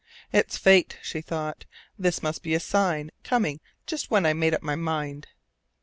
"It's fate," she thought. "This must be a sign coming just when I'd made up my mind."